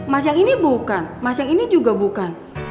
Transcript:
mas yang ini bukan mas yang ini juga bukan